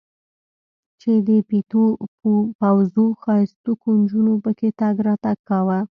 چې د پيتو پوزو ښايستوکو نجونو پکښې تګ راتګ کاوه.